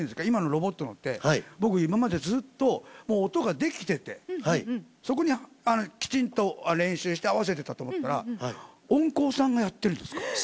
今のロボットのって僕今までずっと音ができててそこにきちんと練習して合わせてたと思ったら音効さんがやってるんですか？